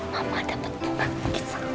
mama dapet bunga